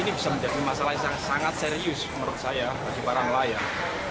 ini bisa menjadi masalah yang sangat serius menurut saya bagi para nelayan